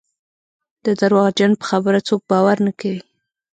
د درواغجن په خبره څوک باور نه کوي.